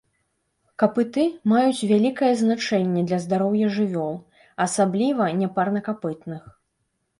Капыты маюць вялікае значэнне для здароўя жывёл, асабліва няпарнакапытных.